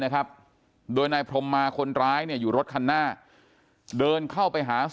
นะครับโดยนายพรมมาคนร้ายเนี่ยอยู่รถคันหน้าเดินเข้าไปหา